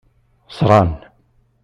Ẓran.